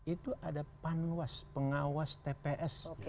itu ada panwas pengawas tps